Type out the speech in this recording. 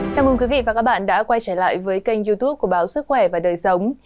chào mừng quý vị và các bạn đã quay trở lại với kênh youtube của báo sức khỏe và đời sống